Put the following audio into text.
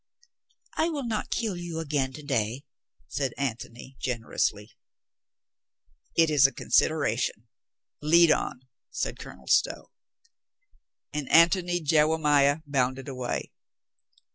"I will not kill you again to day," said Antony generously. "It is a consideration. Lead on!" said Colonel Stow. And Antony Jewemiah bounded away.